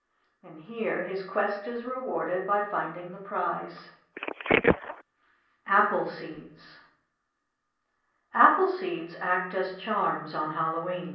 And here his quest is rewarded by finding the prize. APPLE SEEDS Apple seeds act as charms on Hallowe'en.